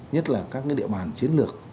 nhất là các địa bàn chiến lược